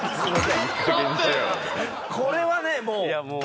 これはねもう。